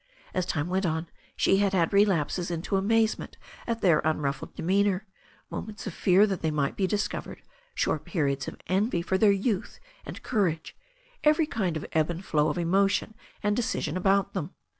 As time went on she had had relapses into amazement at their unruffled de< meanour, moments of fear that they might be discovered, short periods of envy for their youth and courage, every kind of ebb and flow of emotion and decision about them.